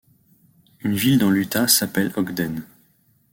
Une ville dans l'Utah s'appelle Ogden.